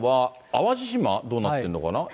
今は、淡路島、どうなってるのかな。